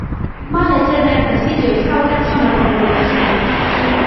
მალე ცეზარი და სიჯეი საუკეთესო მეგობრები გახდებიან.